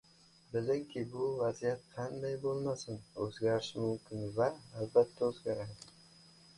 bilingki, bu vaziyatqanday bo‘lmasin o‘zgarishi mumkinva albatta o‘zgaradi.